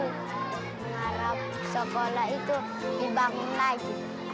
harap sekolah itu dibangun lagi